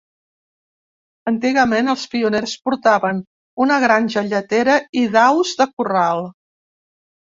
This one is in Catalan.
Antigament, els pioners portaven una granja lletera i d'aus de corral.